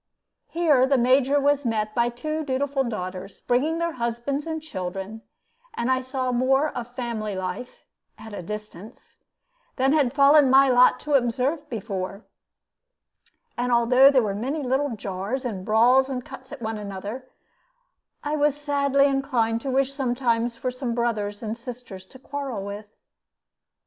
Here the Major was met by two dutiful daughters, bringing their husbands and children, and I saw more of family life (at a distance) than had fallen to my lot to observe before; and although there were many little jars and brawls and cuts at one another, I was sadly inclined to wish sometimes for some brothers and sisters to quarrel with.